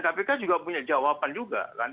kpk juga punya jawaban juga kan